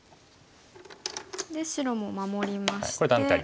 で白も守りまして。